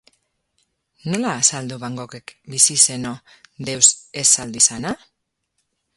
Nola azaldu Van Goghek, bizi zeno, deus ez saldu izana?